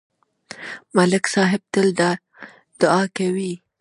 ملک صاحب تل دا دعا کوي